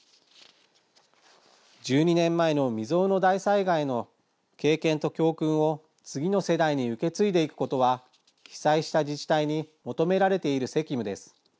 １２年前の未曽有の大災害の経験と教訓を次の世代に受け継いでいくことは被災した自治体に求められている責務です。